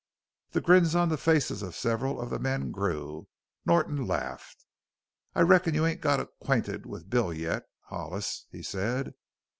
The grins on the faces of several of the men grew. Norton laughed. "I reckon you ain't got acquainted with Bill yet, Hollis," he said.